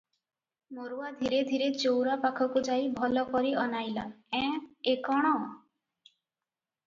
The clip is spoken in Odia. ମରୁଆ ଧୀରେ ଧୀରେ ଚଉରା ପାଖକୁ ଯାଇ ଭଲ କରି ଅନାଇଲା ଏଁ, ଏ କଣ?